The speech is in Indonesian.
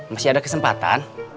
masih ada kesempatan